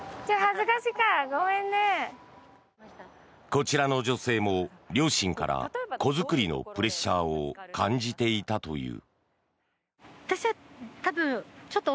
こちらの女性も両親から子作りのプレッシャーを感じていたという。